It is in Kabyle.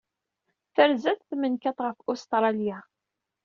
Terza-d tmenkadt ɣef Ustṛalya.